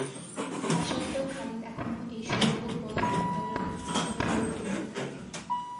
তা সত্ত্বেও খালিদ এখনও এই সুড়ঙ্গ পথ ব্যবহারের অপেক্ষায় প্রহর গুণতে থাকেন।